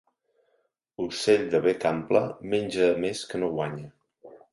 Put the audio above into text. Ocell de bec ample menja més que no guanya.